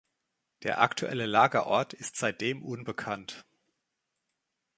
Der Aktuelle Lagerort ist seitdem unbekannt.